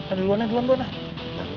ada luar naik luar naik